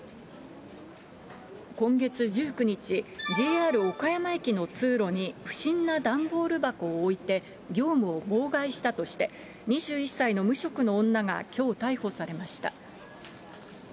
今月１９日、ＪＲ岡山駅の通路に不審な段ボール箱を置いて業務を妨害したとして、２１歳の無職の女がきょう逮捕されました。